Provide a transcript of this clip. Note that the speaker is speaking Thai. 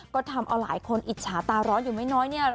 ก็ทำเอาหลายคนอิจฉาตาร้อนอยู่ไม่น้อยเนี่ย